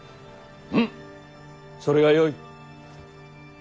うむそれがよい。